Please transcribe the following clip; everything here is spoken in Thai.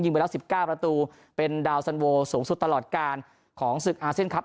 ยิงไม่รักสิบก้าวประตูเป็นดาวสั่นโวลสูงสุดตลอดการของสืกอาเซนครับ